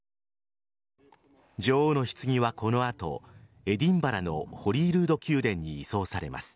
女王のひつぎはこの後エディンバラのホリールード宮殿に移送されます。